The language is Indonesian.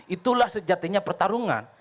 itulah sejatinya pertarungan